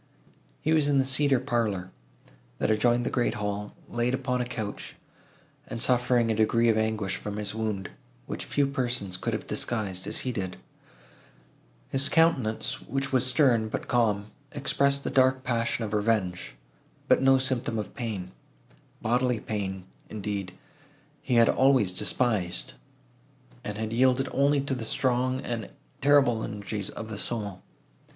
He was in the cedar parlour, that adjoined the great hall, laid upon a couch, and suffering a degree of anguish from his wound, which few persons could have disguised, as he did. His countenance, which was stern, but calm, expressed the dark passion of revenge, but no symptom of pain; bodily pain, indeed, he had always despised, and had yielded only to the strong and terrible energies of the soul.